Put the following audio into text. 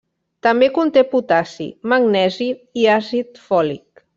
També conté potassi, magnesi i àcid fòlic.